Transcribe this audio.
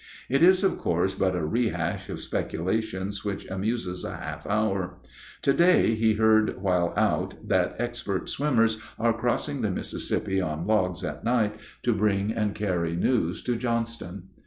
It is, of course, but a rehash of speculations which amuses a half hour. To day he heard while out that expert swimmers are crossing the Mississippi on logs at night to bring and carry news to Johnston.